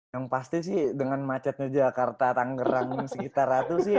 yang pasti sih dengan macetnya jakarta tangerang sekitar itu sih